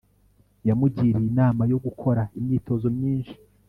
yamugiriye inama yo gukora imyitozo myinshi